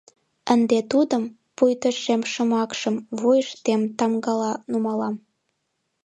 Ынде тудым, пуйто шем шымакшым, вуйыштем тамгала нумалам.